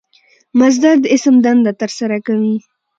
مصدر د اسم دنده ترسره کوي.